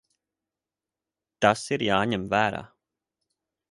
Tas ir jāņem vērā.